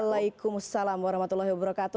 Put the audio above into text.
waalaikumsalam warahmatullahi wabarakatuh